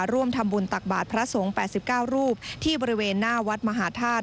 ร่วมทำบุญตักบาทพระสงฆ์๘๙รูปที่บริเวณหน้าวัดมหาธาตุ